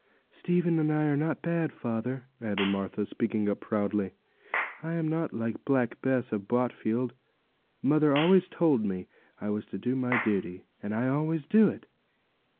'Stephen and I are not bad, father,' added Martha, speaking up proudly; 'I am not like Black Bess of Botfield. Mother always told me I was to do my duty; and I always do it.